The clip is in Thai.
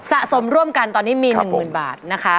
สะสมร่วมกันตอนนี้มี๑๐๐๐บาทนะคะ